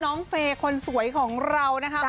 เฟย์คนสวยของเรานะคะ